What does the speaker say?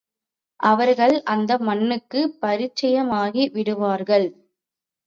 அவர்கள் அந்த மண்ணுக்குப் பரிச்சயமாகிவிடுவார்கள்.